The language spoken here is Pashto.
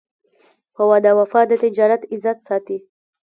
په وعده وفا د تجارت عزت ساتي.